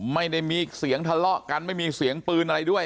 ไม่ได้มีเสียงทะเลาะกันไม่มีเสียงปืนอะไรด้วย